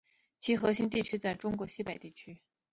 其核心地区在中国西北地区。